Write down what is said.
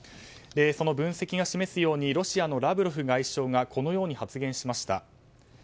その分析が示すようにロシアのラブロフ外相がこのように発言しました。